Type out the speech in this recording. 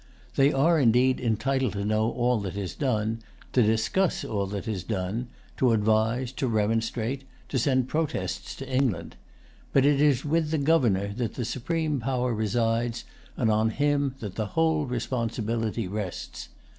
They are, indeed, entitled to know all that is done, to discuss all that is done, to advise, to remonstrate, to send protests to England. But it is with the Governor that the supreme power resides, and on him that the whole responsibility rests.